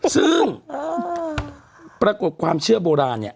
ซึ่งปรากฏความเชื่อโบราณเนี่ย